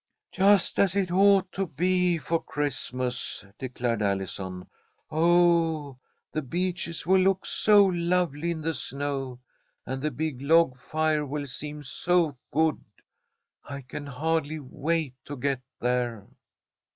"Just as it ought to be for Christmas," declared Allison. "Oh, The Beeches will look so lovely in the snow, and the big log fire will seem so good, I can hardly wait to get there!"